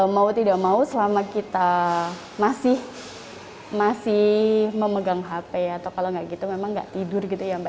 mau tidak mau selama kita masih memegang hp atau kalau tidak gitu memang tidak tidur